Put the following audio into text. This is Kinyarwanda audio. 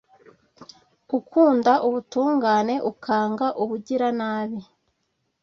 ukunda ubutungane, ukanga ubugiranabi